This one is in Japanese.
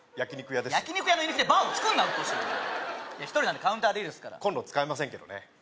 焼き肉屋の居抜きでバーをつくるなうっとうしいな１人なんでカウンターでいいですからコンロ使えませんけどね